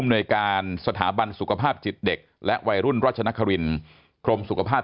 หน่วยการสถาบันสุขภาพจิตเด็กและวัยรุ่นรัชนครินกรมสุขภาพ